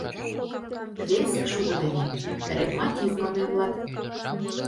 Вес шудо дене ревматизмым эмлат.